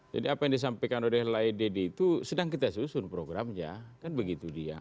jadi apa yang disampaikan oleh lidd itu sedang kita susun programnya kan begitu dia